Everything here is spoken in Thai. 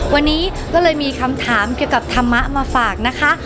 วันนี้ก็เลยมีคำถามเกี่ยวกับธรรมะมาฝากนะคะ